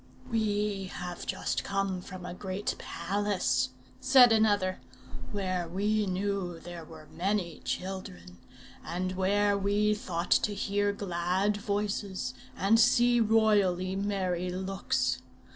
"We have just come from a great palace," said another, "where we knew there were many children, and where we thought to hear glad voices, and see royally merry looks.